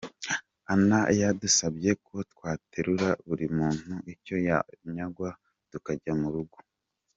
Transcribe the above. Anna yadusabye ko twaterura buri muntu icyo yanywaga tukajya mu rugo.